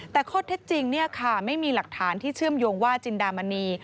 แต่ข้อเท็จจริงไม่มีหลักฐานที่เชื่อมโยงว่าจินดามณี